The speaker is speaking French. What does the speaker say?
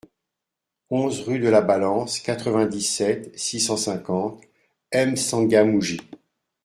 onze rUE DE LA BALANCE, quatre-vingt-dix-sept, six cent cinquante, M'Tsangamouji